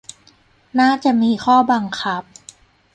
น่าจะมีข้อบังคับ